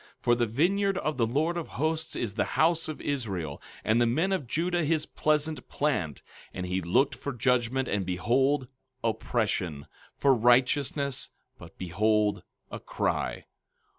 15:7 For the vineyard of the Lord of Hosts is the house of Israel, and the men of Judah his pleasant plant; and he looked for judgment, and behold, oppression; for righteousness, but behold, a cry.